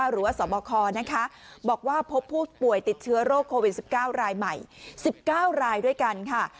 หรือว่าสบคบอกว่าพบผู้ป่วยติดเชื้อโรคโควิด๑๙รายใหม่๑๙รายด้วยกันค่ะ